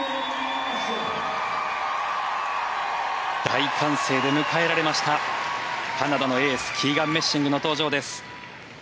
大歓声で迎えられましたカナダのエースキーガン・メッシングの登場。